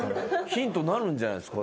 ヒントになるんじゃないですか？